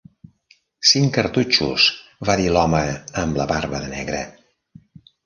"Cinc cartutxos", va dir l'home amb la barba de negre.